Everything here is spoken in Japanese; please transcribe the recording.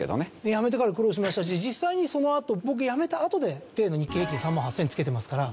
辞めてから苦労しましたし実際にそのあと僕辞めたあとで例の日経平均３万８０００円つけてますから。